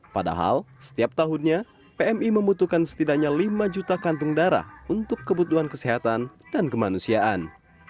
padahal setiap tahunnya pmi membutuhkan setidaknya lima juta kantung darah untuk kebutuhan kesehatan dan kemanusiaan